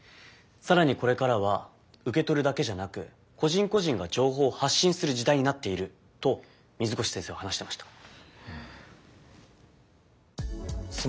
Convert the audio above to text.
さらにこれからは受け取るだけじゃなくこ人こ人が情報を発信する時代になっていると水越先生は話してました。